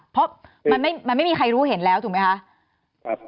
เพราะมันไม่มีใครรู้เห็นแล้วถูกไหมคะ